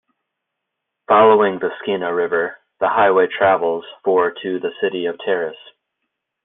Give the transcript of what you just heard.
Following the Skeena River, the highway travels for to the city of Terrace.